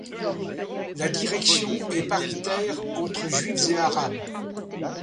La direction est paritaire entre Juifs et Arabes.